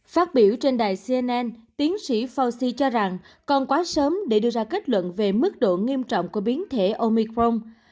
phát biểu trên đài cnn tiến sĩ fauci cho rằng còn quá sớm để đưa ra kết luận về mức độ nghiêm trọng của biến thể omicron